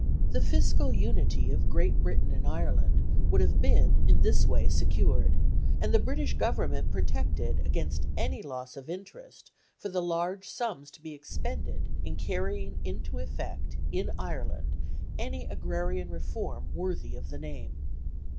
The fiscal unity of Great Britain and Ireland would have been in this way secured, and the British Government protected against any loss of interest for the large sums to be expended in carrying into effect in Ireland any agrarian reform worthy of the name.